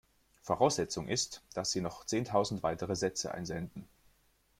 Voraussetzung ist, dass Sie noch zehntausend weitere Sätze einsenden.